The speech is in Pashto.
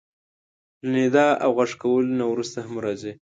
له ندا او غږ کولو نه وروسته هم راځي.